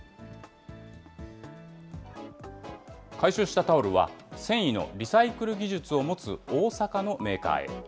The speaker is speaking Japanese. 回収したタオルは、繊維のリサイクル技術を持つ大阪のメーカーへ。